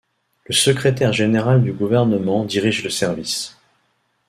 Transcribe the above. Le secrétaire général du Gouvernement dirige le service.